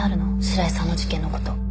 白井さんの事件のこと。